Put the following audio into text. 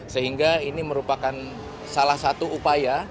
sehingga ini merupakan salah satu upaya